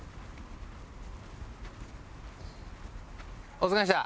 お疲れした。